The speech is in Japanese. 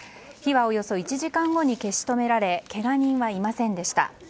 火はおよそ１時間後に消し止められけが人はいませんでした。